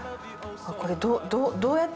これどう。